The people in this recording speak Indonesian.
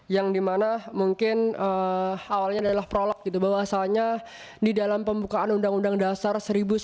yang dimana mungkin awalnya adalah prolog gitu bahwasanya di dalam pembukaan undang undang dasar seribu sembilan ratus empat puluh